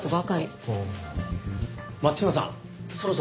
松島さんそろそろ。